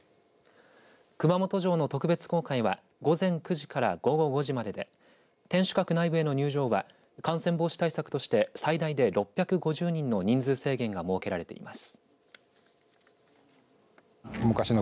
熊本城の特別公開は午前９時から午後５時までで天守閣内部への入場は感染防止対策として最大で６５０人の人数制限が設けられています。